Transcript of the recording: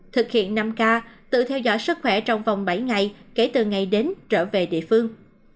thực hiện năm k tự theo dõi sức khỏe trong vòng bảy ngày kể từ ngày đến trở về địa phương